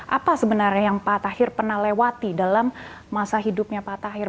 apa sebenarnya yang pak tahir pernah lewati dalam masa hidupnya pak tahir